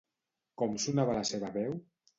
Com sonava la seva veu?